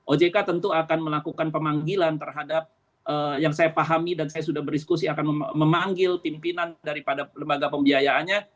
ojk tentu akan melakukan pemanggilan terhadap yang saya pahami dan saya sudah berdiskusi akan memanggil pimpinan daripada lembaga pembiayaannya